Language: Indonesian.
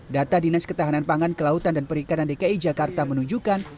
data dinas ketahanan pangan kelautan dan perikanan dki jakarta menunjukkan